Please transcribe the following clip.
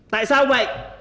tại sao vậy